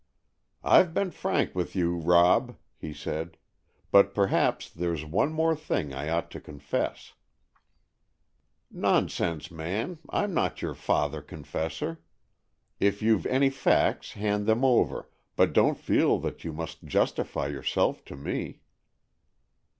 "I've been frank with you, Rob," he said, "but perhaps there's one more thing I ought to confess." "Nonsense, man, I'm not your father confessor. If you've any facts, hand them over, but don't feel that you must justify yourself to me."